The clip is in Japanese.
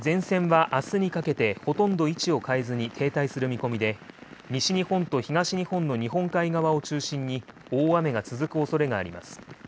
前線はあすにかけてほとんど位置を変えずに停滞する見込みで、西日本と東日本の日本海側を中心に大雨が続くおそれがあります。